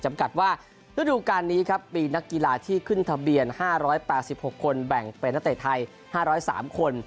กัดว่าฤดูการนี้ครับมีนักกีฬาที่ขึ้นทะเบียน๕๘๖คนแบ่งเป็นนักเตะไทย๕๐๓คน